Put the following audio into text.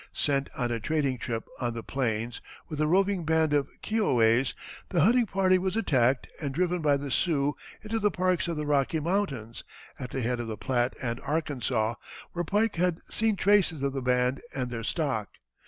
Sent on a trading trip on the plains with a roving band of Kioways, the hunting party was attacked and driven by the Sioux into the parks of the Rocky Mountains, at the head of the Platte and Arkansas, where Pike had seen traces of the band and their stock.